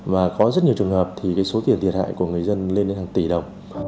và có rất nhiều trường hợp thì số tiền thiệt hại của người dân lên đến hàng tỷ đồng